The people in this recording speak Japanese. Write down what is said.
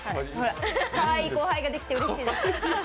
かわいい後輩ができてうれしいです。